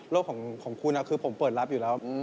ของคุณคือผมเปิดรับอยู่แล้ว